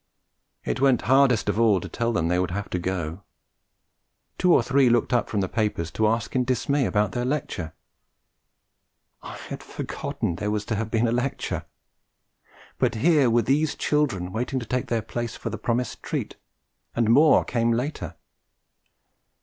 It went hardest of all to tell them they would have to go. Two or three looked up from the papers to ask in dismay about their lecture. I had forgotten there was to have been a lecture; but here were these children waiting to take their places for the promised treat, and more came later.